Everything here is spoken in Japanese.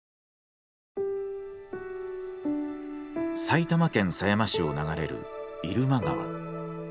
埼玉県狭山市を流れる入間川。